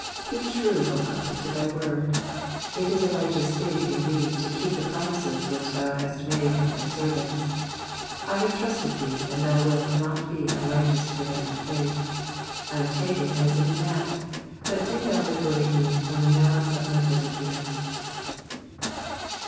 '*'' Be true, O God, to thy word. It in a righteous thing in thee to keep the promises which thou hast made unto thy servants. I have trusted thee, and thou wilt not be unrighteous to forget my faith. I am taken ns in a net, but do thou liberate me from the malice of my persecutors.